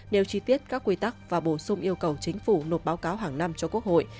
nếu chi tiết các quy tắc và bổ sung yêu cầu chính phủ nộp báo cáo hàng năm cho quốc hội